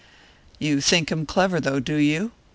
"You think him clever though, do you?"